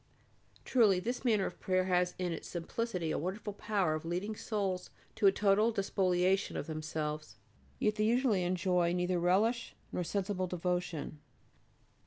Truly this manner of prayer has in its simplicity a wonderful power of leading souls to a total despoliation of themselves. Yet they usually enjoy neither relish nor sensible devotion.